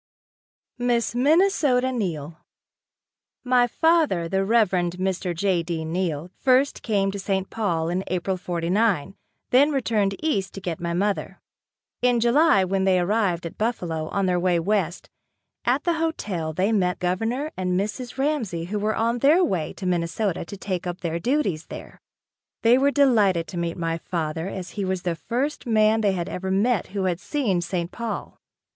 Miss Minnesota Neill. My father, the Reverend Mr. J. D. Neill, first came to St. Paul in April '49, then returned east to get my mother. In July, when they arrived at Buffalo on their way west, at the hotel, they met Governor and Mrs. Ramsey who were on their way to Minnesota to take up their duties there. They were delighted to meet my father as he was the first man they had ever met who had seen St. Paul.